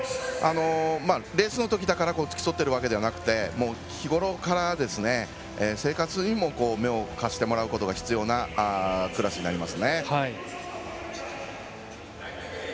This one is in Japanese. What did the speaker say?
レースのときだから付き添ってるわけではなくて日ごろから、生活にも目を貸してもらうことが必要なクラスになります。